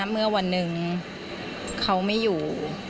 เมื่อวันหนึ่งเขาไม่อยู่